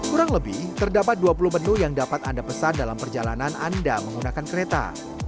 kurang lebih terdapat dua puluh menu yang dapat anda pesan dalam perjalanan anda menggunakan kereta